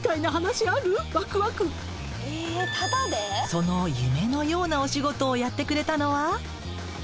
その夢のようなお仕事をやってくれたのは。